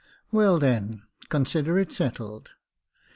"Well, then, consider it settled.